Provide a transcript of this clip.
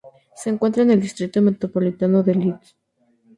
Se encuentra en el distrito metropolitano de Leeds.